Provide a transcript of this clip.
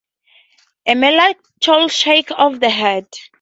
A melancholy shake of the head.